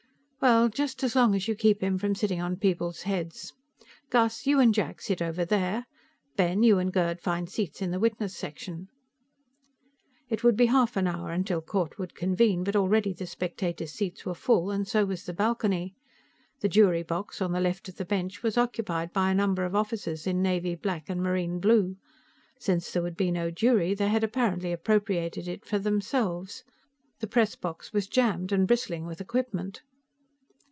"Well, just as long as you keep him from sitting on people's heads. Gus, you and Jack sit over there; Ben, you and Gerd find seats in the witness section." It would be half an hour till court would convene, but already the spectators' seats were full, and so was the balcony. The jury box, on the left of the bench, was occupied by a number of officers in Navy black and Marine blue. Since there would be no jury, they had apparently appropriated it for themselves. The press box was jammed and bristling with equipment.